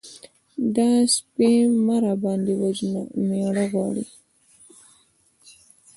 _دا سپۍ مه راباندې وژنه! مېړه غواړي.